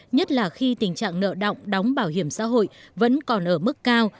nhất là khi tình trạng nợ động đóng bảo hiểm xã hội vẫn còn ở mức cao